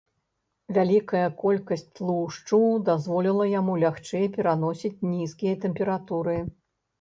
Вялікая колькасць тлушчу дазволіла яму лягчэй пераносіць нізкія тэмпературы.